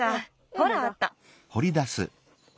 ほらあった。